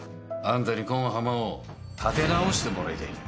あんたにこん浜を立て直してもらいたいんよ。